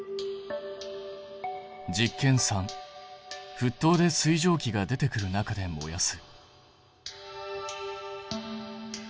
実験３ふっとうで水蒸気が出てくる中で燃やす。